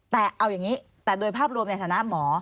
แต่เอาอย่างนี้แต่โดยภาพรวมในฐานะหมอ